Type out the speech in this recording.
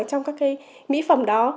trong các cái mỹ phẩm đó